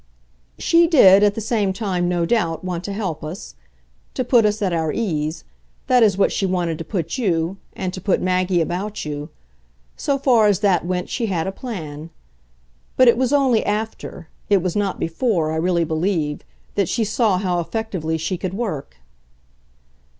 "She did, at the same time, no doubt, want to help us to put us at our ease. That is she wanted to put you and to put Maggie about you. So far as that went she had a plan. But it was only AFTER it was not before, I really believe that she saw how effectively she could work."